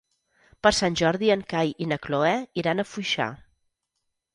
Per Sant Jordi en Cai i na Cloè iran a Foixà.